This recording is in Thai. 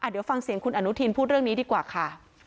เดี๋ยวฟังเสียงคุณอนุทินพูดเรื่องนี้ดีกว่าค่ะ